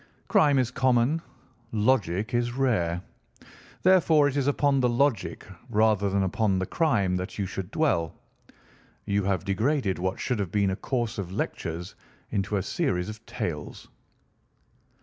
Crime is common. Logic is rare. Therefore it is upon the logic rather than upon the crime that you should dwell. You have degraded what should have been a course of lectures into a series of tales."